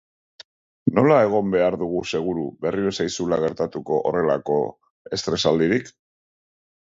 Nola egon behar dugu seguru berriro ez zaizula gertatuko horrelako estresaldirik?